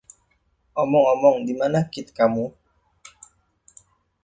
Omong-omong, di mana kit kamu?